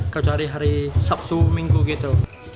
kecuali hari sabtu minggu gitu